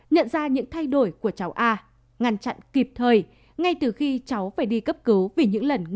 nhận ra những thay đổi của cháu a ngăn chặn kịp thời ngay từ khi cháu phải đi cấp cứu vì những nỗi đau của con trẻ đang phải chịu đựng